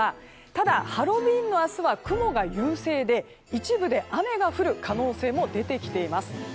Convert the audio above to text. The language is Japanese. ただハロウィーンの明日は雲が優勢で一部で雨が降る可能性も出てきています。